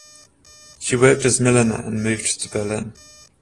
She worked as milliner and moved to Berlin.